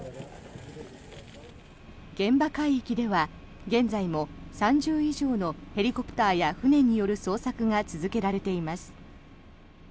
現場海域では現在も３０以上のヘリコプターや船による捜索が続けられています。